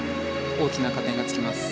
大きな加点がつきます。